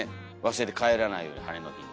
忘れて帰らないように晴れの日に。